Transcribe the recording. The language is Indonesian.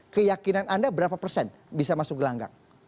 keyakinan anda berapa persen bisa masuk gelanggang